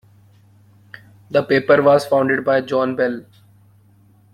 The paper was founded by John Bell.